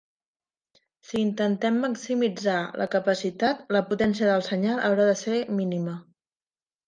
Si intentem maximitzar la capacitat, la potència del senyal haurà de ser mínima.